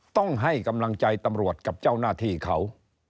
ต้องให้กำลังใจตำรวจกับเจ้าหน้าที่เขา